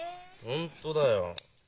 本当だよ。